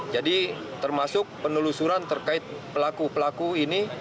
jadi termasuk penelusuran terkait pelaku pelaku ini